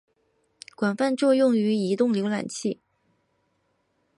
广泛作用于移动浏览器。